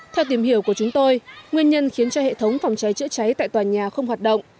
theo tìm hiểu của chúng tôi nguyên nhân khiến cho hệ thống phòng cháy chữa cháy tại tòa nhà không hoạt động